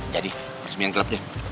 jadi resmi yang gelap ya